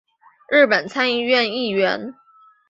日本参议院议员。